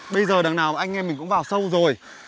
bây giờ đằng nào anh em mình cũng vào sâu rồi